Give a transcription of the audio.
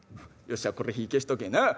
よっしゃこれ火ぃ消しとけなあ。